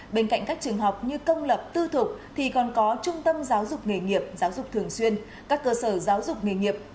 bên cạnh các trường học như công lập tư thục thì còn có trung tâm giáo dục nghề nghiệp giáo dục thường xuyên các cơ sở giáo dục nghề nghiệp